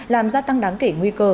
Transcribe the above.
làm ra tăng đáng kể nguy cơ